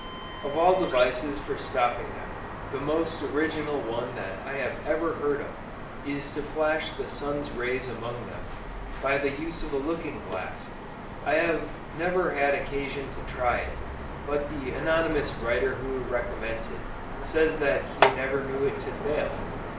Of all devices for stopping them, the most original one that I have ever heard of, is to flash the sun's rays among them, by the use of a looking glass! I have never had occasion to try it, but the anonymous writer who recommends it, says that he never knew it to fail.